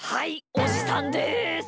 おじさんです！